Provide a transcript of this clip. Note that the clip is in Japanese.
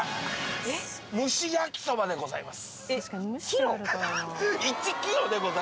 むし焼そばでございます。